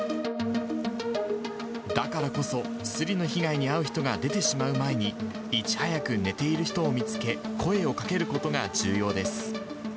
だからこそ、すりの被害に遭う人が出てしまう前に、いち早く寝ている人を見つけ、声をかけることが重要です。